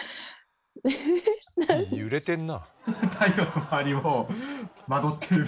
揺れてんなあ。